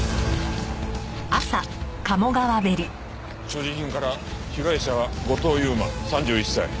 所持品から被害者は後藤佑馬３１歳。